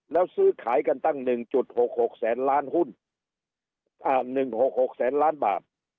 แล้วซื้อขายกันตั้งหนึ่งจุดหกหกแสนล้านหุ้นอ่าหนึ่งหกหกแสนล้านบาท